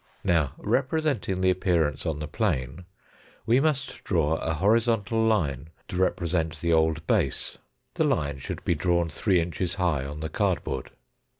Now representing the appearance on the plane, we must draw a horizontal line to represent the old base. The line should be drawn three inches high on the cardboard.